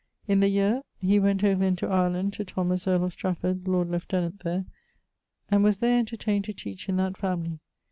In the yeare ..., he went over into Ireland to Thomas, earle of Strafford, Lord Liuetenant there, and was there enterteined to teach in that family.